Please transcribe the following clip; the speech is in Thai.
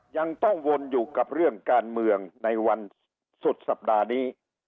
ยังต้องวนอยู่กับเรื่องการเมืองในวันสุดสัปดาห์นี้